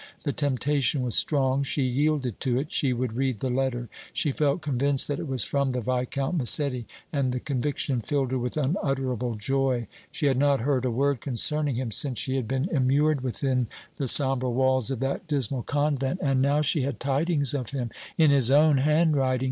The temptation was strong. She yielded to it. She would read the letter. She felt convinced that it was from the Viscount Massetti, and the conviction filled her with unutterable joy. She had not heard a word concerning him since she had been immured within the sombre walls of that dismal convent, and now she had tidings of him in his own handwriting!